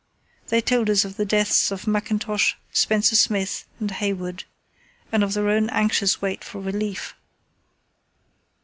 They told us of the deaths of Mackintosh, Spencer Smith, and Hayward, and of their own anxious wait for relief.